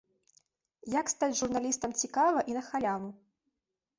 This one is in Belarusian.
Як стаць журналістам цікава і на халяву?